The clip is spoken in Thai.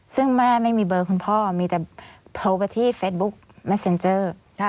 ซึ่งแม่ไม่มีเบอร์คุณพ่อมีแต่โทรไปที่เฟซบุ๊กแม่เซ็นเจอร์